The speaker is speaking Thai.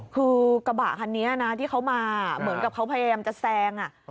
คือกระบะคันนี้นะที่เขามาเหมือนกับเขาพยายามจะแซง